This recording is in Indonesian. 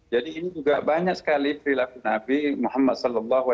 jadi ini juga banyak sekali perilaku nabi muhammad saw